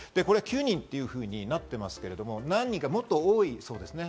９人というふうになっていますが、もっと多いそうですね。